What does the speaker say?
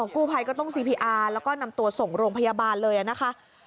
กู้ภัยก็ต้องซีพีอาร์แล้วก็นำตัวส่งโรงพยาบาลเลยนะคะ